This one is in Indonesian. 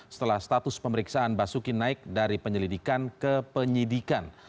setelah status pemeriksaan basuki naik dari penyelidikan ke penyidikan